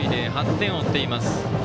８点を追っています。